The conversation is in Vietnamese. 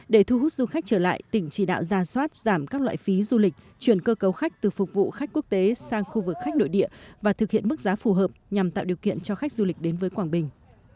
để thu hút du khách trở lại tỉnh chỉ đạo ra soát giảm các loại phí du lịch chuyển cơ cấu khách từ phục vụ khách quốc tế sang khu vực khách nội địa và thực hiện mức giá phù hợp nhằm tạo điều kiện cho khách du lịch đến với quảng bình